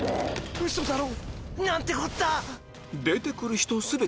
ウソだろ？